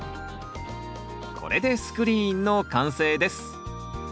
これでスクリーンの完成です